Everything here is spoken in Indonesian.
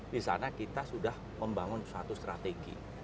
di sana kita sudah membangun satu strategi